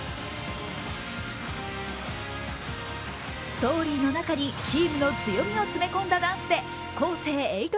ストーリーの中にチームの強みを詰め込んだダンスでＫＯＳＥ８